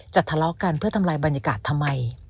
ทะเลาะกันเพื่อทำลายบรรยากาศทำไม